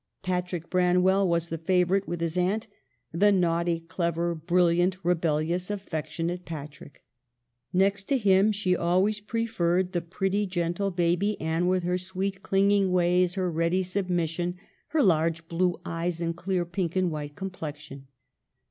Patrick Branwell was the favorite with his aunt, the naughty, clever, brilliant, rebel lious, affectionate Patrick. Next to him she always preferred the pretty, gentle baby Anne, BABYHOOD. 33 with her sweet, clinging ways, her ready sub mission, her large blue eyes, and clear pink and white complexion.